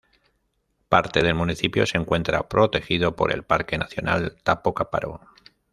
Parte del municipio se encuentra protegido por el Parque nacional Tapo-Caparo.